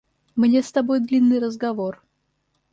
Мне с тобой длинный разговор.